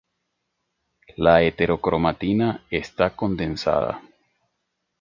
La heterocromatina está condensada.